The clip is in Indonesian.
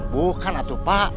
bukan atuh pak